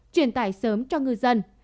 truyền tải sớm cho người dân